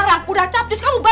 jadi aku pasti beli offensive